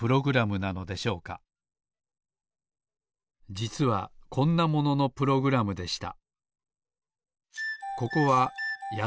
じつはこんなもののプログラムでした。